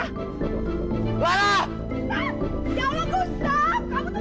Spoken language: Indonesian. gustaf ya allah gustaf